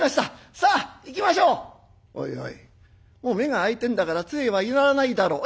「おいおいもう目が明いてんだからつえはいらないだろう」。